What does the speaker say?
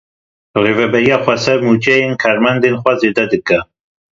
Rêveberiya Xweser mûçeyên karmendên xwe zêde dike.